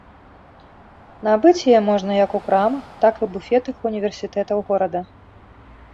Набыць яе можна як у крамах, так і буфетах універсітэтаў горада.